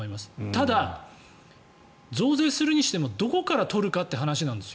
ただ、増税するにしてもどこから取るかという話なんです。